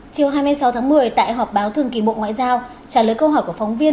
chiều hai mươi sáu tháng một mươi tại họp báo thường kỳ bộ ngoại giao trả lời câu hỏi của phóng viên